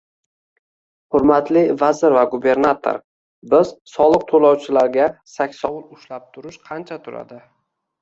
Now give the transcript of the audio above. Hurmatli vazir va gubernator, biz soliq to'lovchilarga saksovul ushlab turish qancha turadi?